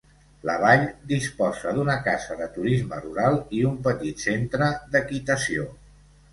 La vall disposa d'una casa de turisme rural i un petit centre d'equitació.